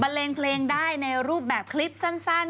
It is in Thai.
เลงเพลงได้ในรูปแบบคลิปสั้น